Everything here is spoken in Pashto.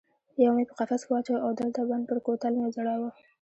یو مې په قفس کې واچاوه او د لته بند پر کوتل مې وځړاوه.